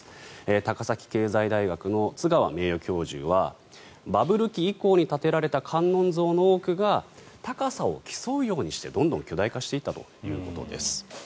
高崎経済大学の津川名誉教授はバブル期以降に建てられた観音像の多くが高さを競うようにしてどんどん巨大化していったということです。